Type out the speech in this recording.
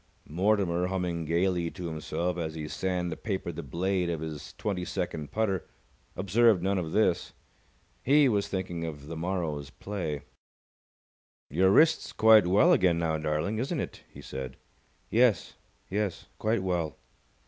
Mortimer, humming gaily to himself as he sand papered the blade of his twenty second putter, observed none of this. He was thinking of the morrow's play. "Your wrist's quite well again now, darling, isn't it?" he said. "Yes. Yes, quite well."